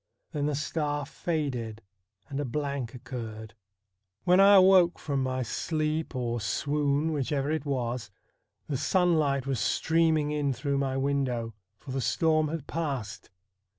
Then the star faded and a blank occurred. When I awoke from my sleep or swoon, whichever it was, the sunlight was streaming in through my window, for the storm had passed.